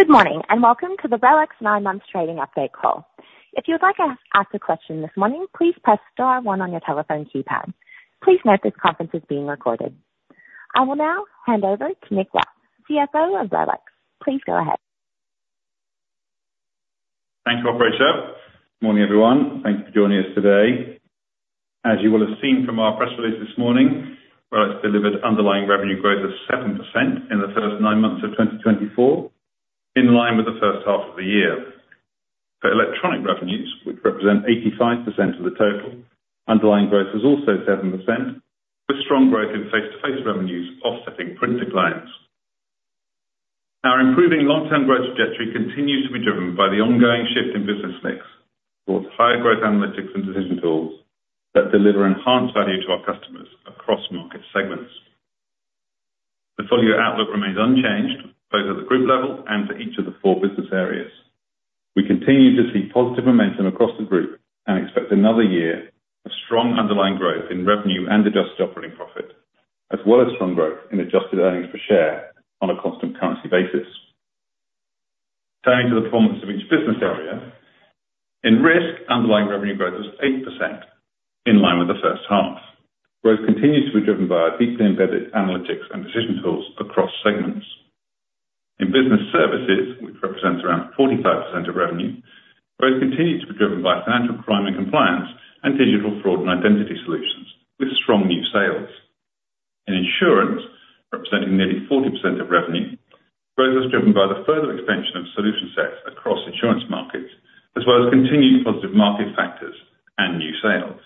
Good morning, and welcome to the RELX nine-month trading update call. If you would like to ask a question this morning, please press star one on your telephone keypad. Please note this conference is being recorded. I will now hand over to Nick Watt, CFO of RELX. Please go ahead. Thanks, operator. Morning, everyone. Thanks for joining us today. As you will have seen from our press release this morning, RELX delivered underlying revenue growth of 7% in the first nine months of 2024, in line with the first half of the year. For electronic revenues, which represent 85% of the total, underlying growth was also 7%, with strong growth in face-to-face revenues offsetting print declines. Our improving long-term growth trajectory continues to be driven by the ongoing shift in business mix towards higher growth analytics and decision tools that deliver enhanced value to our customers across market segments. The full year outlook remains unchanged, both at the group level and for each of the four business areas. We continue to see positive momentum across the group and expect another year of strong underlying growth in revenue and adjusted operating profit, as well as strong growth in adjusted earnings per share on a constant currency basis. Turning to the performance of each business area, in Risk, underlying revenue growth was 8%, in line with the first half. Growth continues to be driven by our deeply embedded analytics and decision tools across segments. In Business Services, which represents around 45% of revenue, growth continued to be driven by financial crime and compliance and digital fraud and identity solutions, with strong new sales. In Insurance, representing nearly 40% of revenue, growth was driven by the further expansion of solution sets across insurance markets, as well as continued positive market factors and new sales.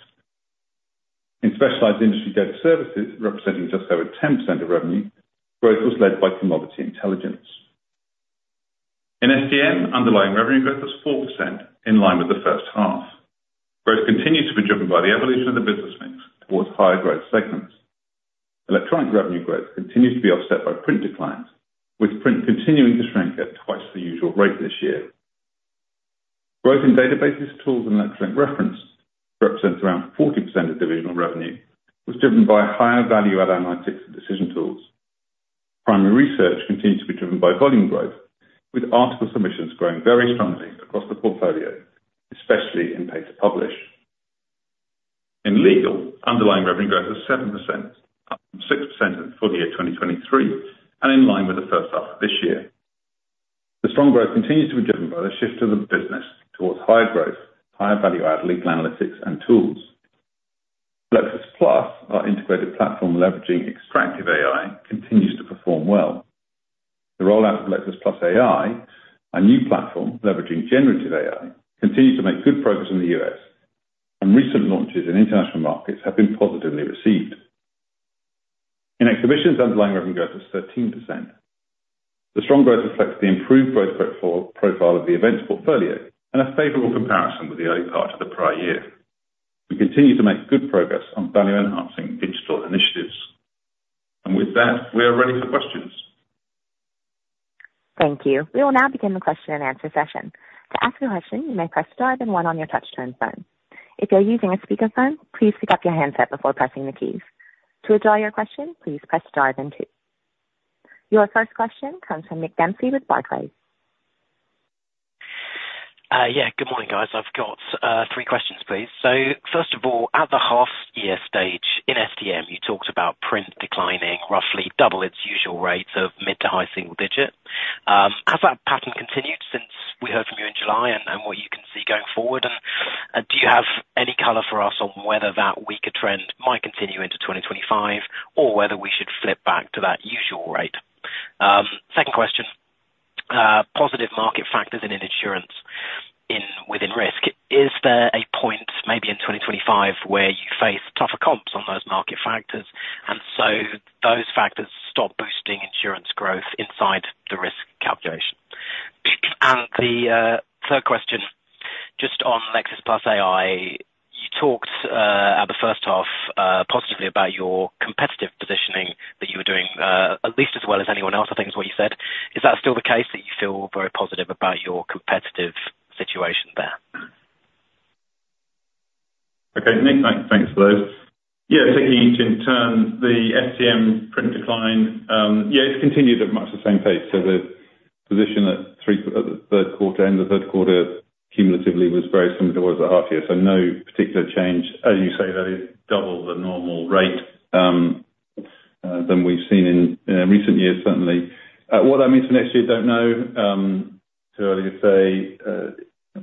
In Specialized Industry-led Services, representing just over 10% of revenue, growth was led by Commodity Intelligence. In STM, underlying revenue growth was 4%, in line with the first half. Growth continues to be driven by the evolution of the business mix towards higher growth segments. Electronic revenue growth continues to be offset by print declines, with print continuing to shrink at twice the usual rate this year. Growth in databases, tools, and electronic reference, represents around 40% of divisional revenue, was driven by higher value-add analytics and decision tools. Primary research continued to be driven by volume growth, with article submissions growing very strongly across the portfolio, especially in pay-to-publish. In Legal, underlying revenue growth was 7%, up from 6% in full year 2023, and in line with the first half of this year. The strong growth continues to be driven by the shift of the business towards higher growth, higher value-add legal analytics and tools. Lexis+, our integrated platform leveraging extractive AI, continues to perform well. The rollout of Lexis+ AI, our new platform leveraging generative AI, continues to make good progress in the U.S., and recent launches in international markets have been positively received. In Exhibitions, underlying revenue growth was 13%. The strong growth reflects the improved growth profile of the events portfolio and a favorable comparison with the early part of the prior year. We continue to make good progress on value-enhancing digital initiatives. And with that, we are ready for questions. Thank you. We will now begin the question-and-answer session. To ask a question, you may press Star then one on your touch-tone phone. If you're using a speakerphone, please pick up your handset before pressing the keys. To withdraw your question, please press Star then two. Your first question comes from Nick Dempsey with Barclays. Yeah, good morning, guys. I've got three questions, please. So first of all, at the half year stage in STM, you talked about print declining roughly double its usual rate of mid to high single digit. Has that pattern continued since we heard from you in July, and what you can see going forward? And do you have any color for us on whether that weaker trend might continue into 2025, or whether we should flip back to that usual rate? Second question, positive market factors in insurance within Risk, is there a point, maybe in 2025, where you face tougher comps on those market factors, and so those factors stop boosting insurance growth inside the risk calculation? The third question, just on Lexis+ AI, you talked at the first half positively about your competitive positioning, that you were doing at least as well as anyone else, I think, is what you said. Is that still the case, that you feel very positive about your competitive situation there? Okay, Nick, thanks for those. Yeah, taking each in turn, the STM print decline, yeah, it's continued at much the same pace. So the position at the third quarter, end of the third quarter, cumulatively was very similar to what it was at half year, so no particular change. As you say, that is double the normal rate than we've seen in recent years, certainly. What that means for next year, don't know. Too early to say.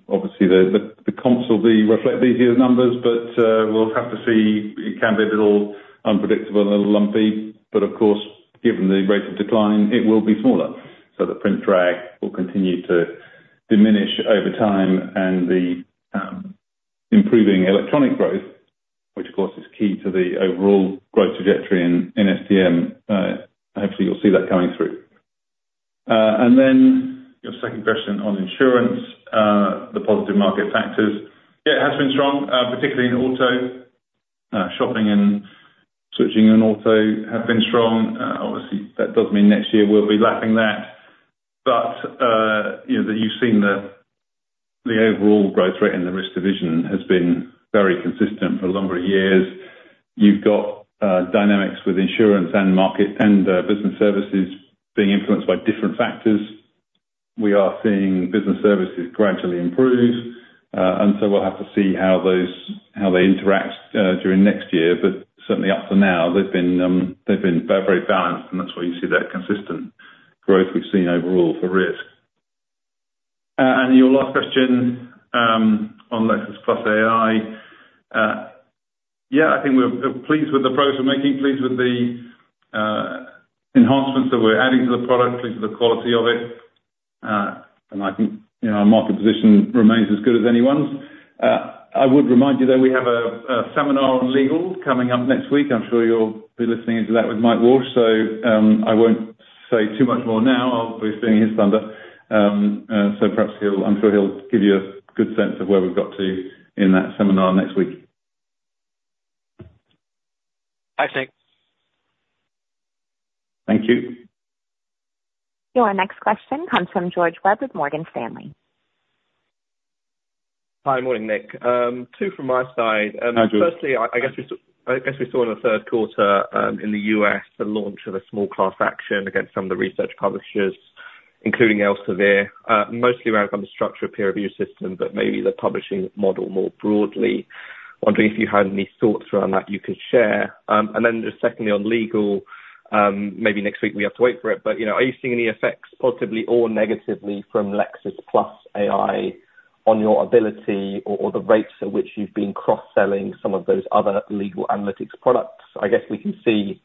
Obviously the comps will reflect this year's numbers, but we'll have to see. It can be a little unpredictable and a little lumpy, but of course, given the rate of decline, it will be smaller. So the print drag will continue to diminish over time, and the improving electronic growth, which of course is key to the overall growth trajectory in STM, hopefully you'll see that coming through. And then your second question on insurance, the positive market factors. Yeah, it has been strong, particularly in auto. Shopping and switching in auto have been strong. Obviously, that does mean next year we'll be lapping that, but you know, that you've seen the overall growth rate in the risk division has been very consistent for a number of years. You've got dynamics with insurance and market and business services being influenced by different factors. We are seeing business services gradually improve, and so we'll have to see how they interact during next year. But certainly up to now, they've been very balanced, and that's why you see that consistent growth we've seen overall for risk. And your last question, on Lexis+ AI. Yeah, I think we're pleased with the progress we're making, pleased with the enhancements that we're adding to the product, pleased with the quality of it, and I think, you know, our market position remains as good as anyone's. I would remind you that we have a seminar on Legal coming up next week. I'm sure you'll be listening into that with Mike Walsh, so I won't say too much more now. I'll be stealing his thunder. So perhaps he'll. I'm sure he'll give you a good sense of where we've got to in that seminar next week. Hi, Nick. Thank you. Your next question comes from George Webb with Morgan Stanley. Hi. Morning, Nick. Two from my side. Hi, George. Firstly, I guess we saw in the third quarter in the U.S. the launch of a small class action against some of the research publishers, including Elsevier, mostly around kind of structural peer review system, but maybe the publishing model more broadly. Wondering if you had any thoughts around that you could share? And then just secondly, on legal, maybe next week we have to wait for it, but you know, are you seeing any effects, positively or negatively, from Lexis+ AI on your ability or the rates at which you've been cross-selling some of those other legal analytics products? I guess we can see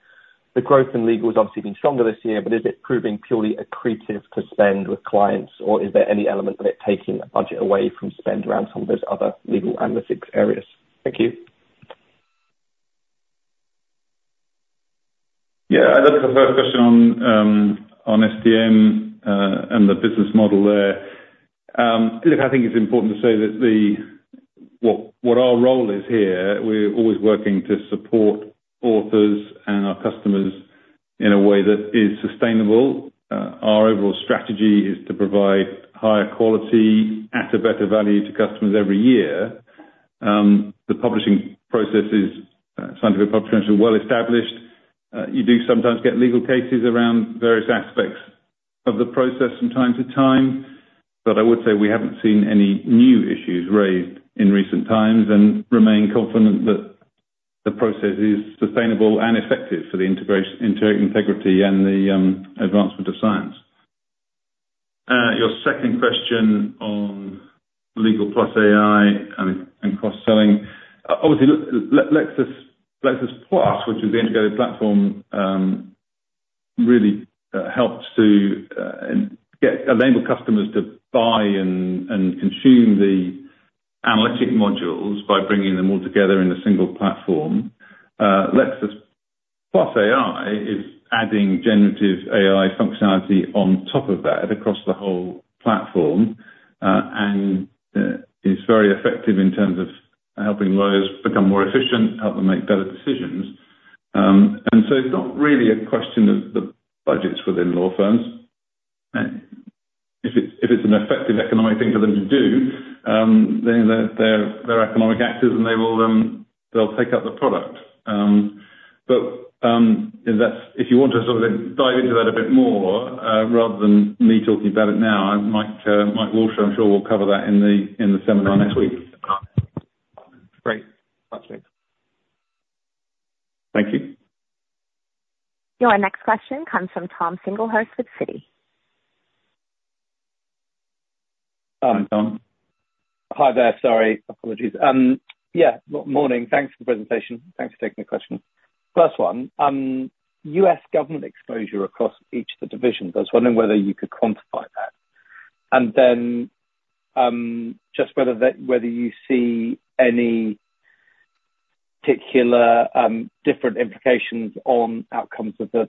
the growth in legal has obviously been stronger this year, but is it proving purely accretive to spend with clients, or is there any element of it taking a budget away from spend around some of those other legal analytics areas? Thank you. Yeah, I'd like the first question on, on STM, and the business model there. Look, I think it's important to say that our role is here, we're always working to support authors and our customers in a way that is sustainable. Our overall strategy is to provide higher quality at a better value to customers every year. The publishing process is scientific publishing is well established. You do sometimes get legal cases around various aspects of the process from time to time, but I would say we haven't seen any new issues raised in recent times and remain confident that the process is sustainable and effective for the integration, integrity and the advancement of science. Your second question on Lexis+ AI and cross-selling. Obviously, Lexis+, which is the integrated platform, really helps to enable customers to buy and consume the analytic modules by bringing them all together in a single platform. Lexis+ AI is adding generative AI functionality on top of that across the whole platform, and is very effective in terms of helping lawyers become more efficient, help them make better decisions. And so it's not really a question of the budgets within law firms. If it's an effective economic thing for them to do, then their economic actors, and they will take up the product. But if you want to sort of dive into that a bit more, rather than me talking about it now, Mike Walsh, I'm sure, will cover that in the seminar next week. Great. Thanks, Nick. Thank you. Your next question comes from Tom Singlehurst with Citi. Hi, Tom. Hi there. Sorry. Apologies. Yeah, good morning. Thanks for the presentation. Thanks for taking the question. First one, U.S. government exposure across each of the divisions. I was wondering whether you could quantify that. And then, just whether that, whether you see any particular different implications on outcomes of the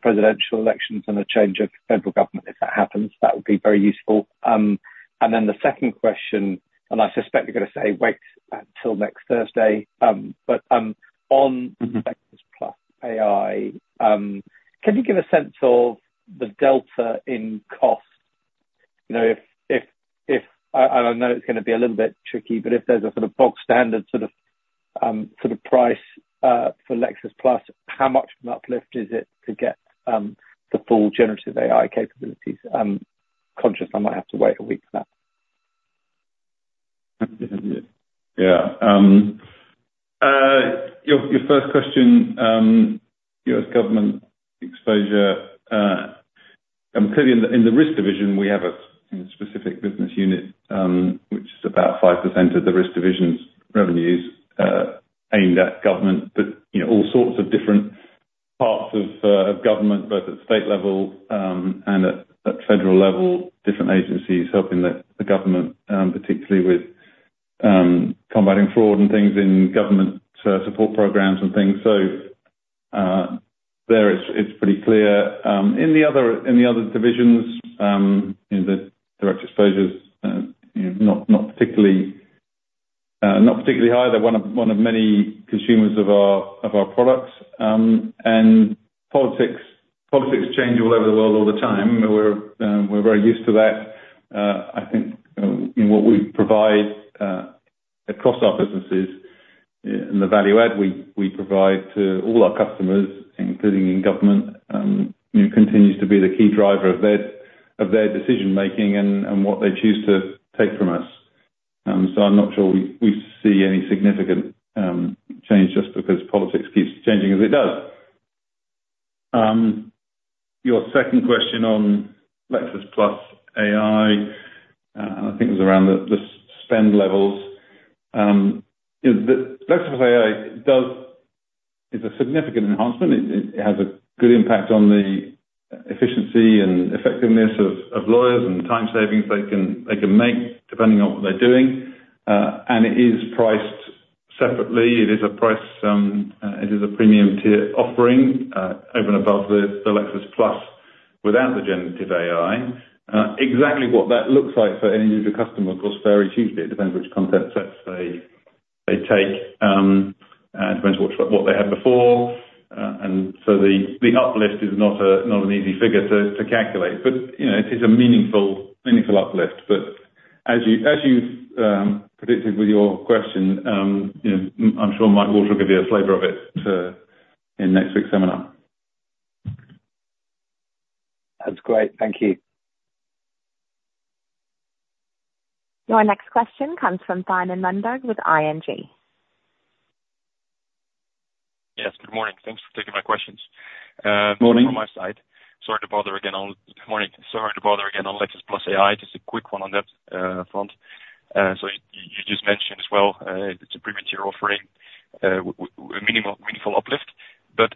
presidential elections and a change of federal government, if that happens? That would be very useful. And then the second question, and I suspect you're gonna say wait until next Thursday, but, on- Mm-hmm... Lexis+ AI, can you give a sense of the delta in cost? You know, and I know it's gonna be a little bit tricky, but if there's a sort of bog standard price for Lexis+, how much of an uplift is it to get the full generative AI capabilities? Conscious I might have to wait a week for that. Yeah. Your first question, U.S. government exposure, and clearly in the risk division, we have a specific business unit, which is about 5% of the risk division's revenues, aimed at government, but you know, all sorts of different parts of government, both at state level, and at federal level, different agencies helping the government, particularly with combating fraud and things in government, support programs and things, so there, it's pretty clear. In the other divisions, in the direct exposures, you know, not particularly high, they're one of many consumers of our products, and politics change all over the world all the time. We're very used to that. I think, in what we provide across our businesses and the value add we provide to all our customers, including in government, you know, continues to be the key driver of their decision making and what they choose to take from us. So I'm not sure we see any significant change just because politics keeps changing as it does. Your second question on Lexis+ AI, I think it was around the spend levels. You know, the Lexis+ AI is a significant enhancement. It has a good impact on the efficiency and effectiveness of lawyers and time savings they can make, depending on what they're doing, and it is priced separately. It is a price, it is a premium tier offering, over and above the Lexis+ without the generative AI. Exactly what that looks like for any individual customer, of course, varies hugely. It depends which content sets they take, and depends what they had before. And so the uplift is not an easy figure to calculate, but you know, it is a meaningful uplift. But as you predicted with your question, you know, I'm sure Mike Walsh will give you a flavor of it too in next week's seminar. That's great. Thank you. Your next question comes from Simon Lundberg with ING. Yes, good morning. Thanks for taking my questions. Morning. From my side. Sorry to bother again. Morning. Sorry to bother again on Lexis+ AI, just a quick one on that front. So you just mentioned as well, it's a premium tier offering with minimal meaningful uplift, but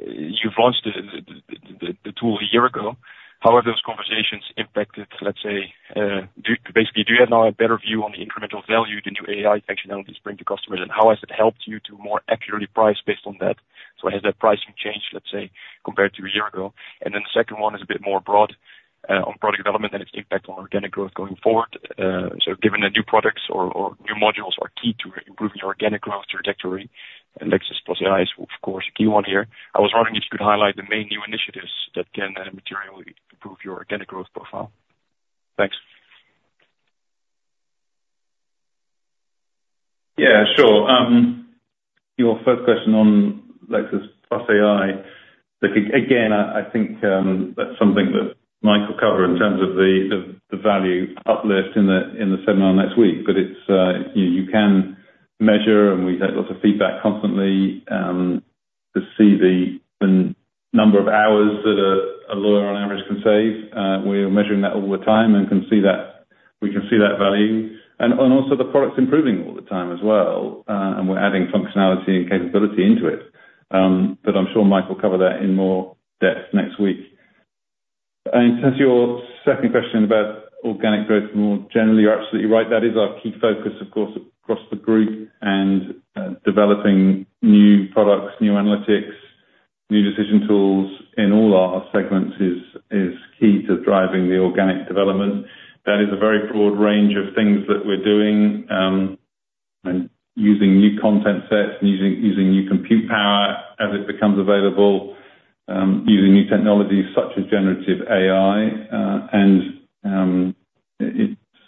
you've launched the tool a year ago. How have those conversations impacted, let's say, basically, do you have now a better view on the incremental value the new AI functionalities bring to customers? And how has it helped you to more accurately price based on that? So has that pricing changed, let's say, compared to a year ago? And then the second one is a bit more broad on product development and its impact on organic growth going forward. So given that new products or new modules are key to improving your organic growth trajectory, and Lexis+ AI is of course a key one here, I was wondering if you could highlight the main new initiatives that can materially improve your organic growth profile. Thanks. Yeah, sure. Your first question on Lexis+ AI, I think, again, I think, that's something that Mike will cover in terms of the value uplift in the seminar next week. But it's, you can measure, and we get lots of feedback constantly, to see the number of hours that a lawyer on average can save. We are measuring that all the time and can see that value, and also the product's improving all the time as well. And we're adding functionality and capability into it. But I'm sure Mike will cover that in more depth next week. As your second question about organic growth more generally, you're absolutely right, that is our key focus, of course, across the group and, developing new products, new analytics, new decision tools in all our segments is key to driving the organic development. That is a very broad range of things that we're doing, and using new content sets and using new compute power as it becomes available, using new technologies such as generative AI, and,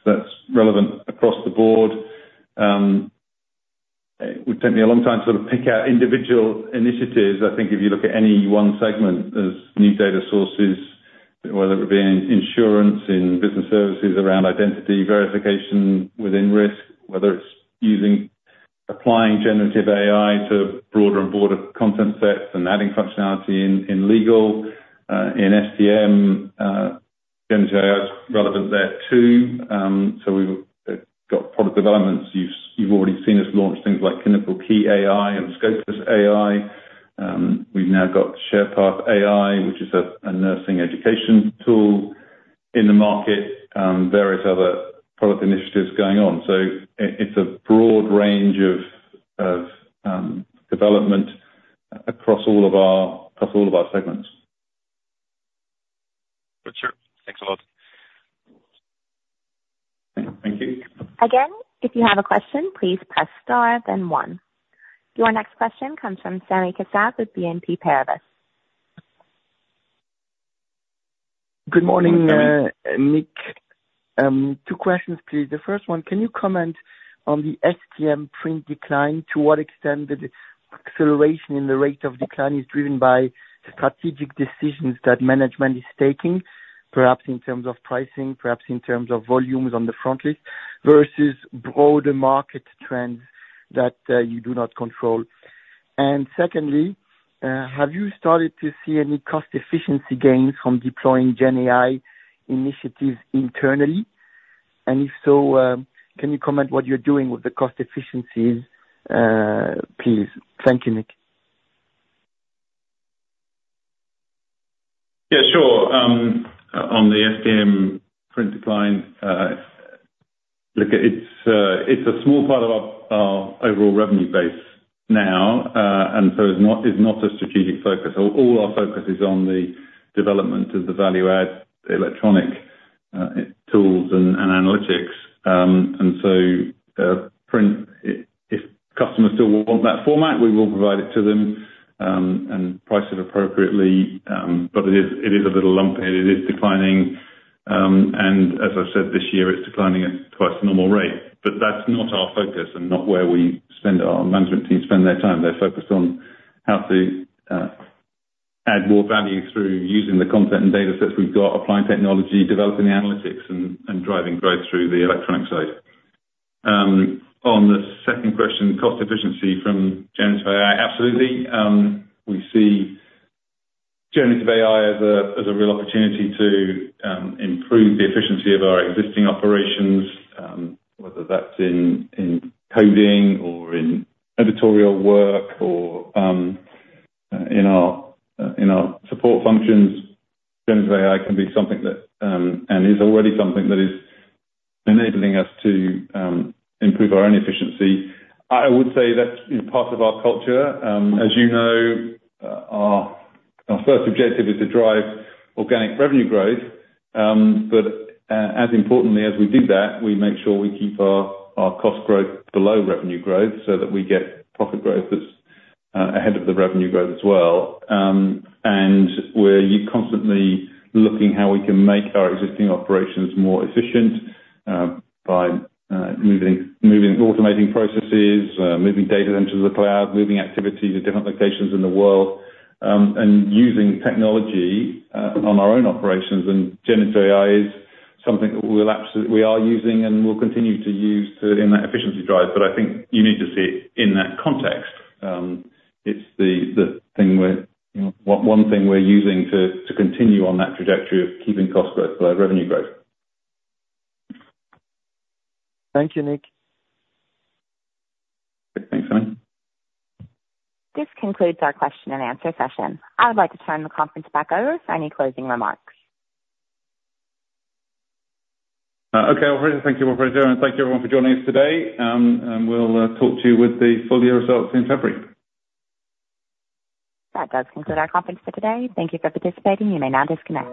that's relevant across the board. It would take me a long time to sort of pick out individual initiatives. I think if you look at any one segment, there's new data sources, whether it be in insurance, in business services, around identity verification, within risk, whether it's using applying generative AI to broader and broader content sets and adding functionality in, in legal, in STM, GenAI is relevant there, too. So we've got product developments. You've already seen us launch things like ClinicalKey AI and Scopus AI. We've now got SharePath AI, which is a nursing education tool in the market, various other product initiatives going on. So it's a broad range of development across all of our segments. For sure. Thanks a lot. Thank you. Again, if you have a question, please press star then one. Your next question comes from Sammy Kassab with BNP Paribas. Good morning- Good morning. Nick. Two questions, please. The first one, can you comment on the STM print decline? To what extent did the acceleration in the rate of decline is driven by strategic decisions that management is taking, perhaps in terms of pricing, perhaps in terms of volumes on the frontlist, versus broader market trends that you do not control? And secondly, have you started to see any cost efficiency gains from deploying GenAI initiatives internally? And if so, can you comment what you're doing with the cost efficiencies, please? Thank you, Nick. Yeah, sure. On the STM print decline, look, it's a small part of our overall revenue base now, and so is not a strategic focus. All our focus is on the development of the value add electronic tools and analytics. And so, print, if customers still want that format, we will provide it to them and price it appropriately. But it is a little lumpy, and it is declining, and as I've said, this year, it's declining at twice the normal rate. But that's not our focus and not where our management team spend their time. They're focused on how to add more value through using the content and datasets we've got, applying technology, developing the analytics, and driving growth through the electronic side. On the second question, cost efficiency from generative AI, absolutely, we see generative AI as a real opportunity to improve the efficiency of our existing operations, whether that's in coding or in editorial work or in our support functions. Generative AI can be something that and is already something that is enabling us to improve our own efficiency. I would say that's part of our culture. As you know, our first objective is to drive organic revenue growth, but as importantly as we do that, we make sure we keep our cost growth below revenue growth, so that we get profit growth that's ahead of the revenue growth as well. And we're constantly looking how we can make our existing operations more efficient by automating processes, moving data into the cloud, moving activity to different locations in the world, and using technology on our own operations, and generative AI is something that we are using and will continue to use to in that efficiency drive. But I think you need to see it in that context. It's the thing we're, you know, one thing we're using to continue on that trajectory of keeping cost growth below revenue growth. Thank you, Nick. Thanks, Simon. This concludes our question and answer session. I would like to turn the conference back over for any closing remarks. Okay, operator. Thank you, operator, and thank you everyone for joining us today, and we'll talk to you with the full year results in February. That does conclude our conference for today. Thank you for participating. You may now disconnect.